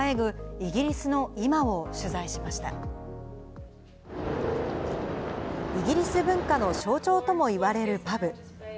イギリス文化の象徴ともいわれるパブ。